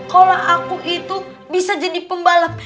kalau aku itu bisa jadi pembalap